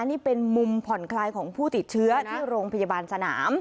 นี่เป็นมุมผ่อนคลายของผู้ติดเชื้อที่โรงพยาบาลสนาม